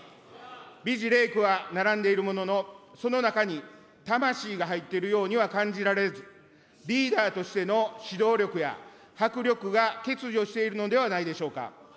美辞麗句は並んでいるものの、その中に魂が入っているようには感じられず、リーダーとしての指導力や、迫力が欠如しているのではないでしょうか。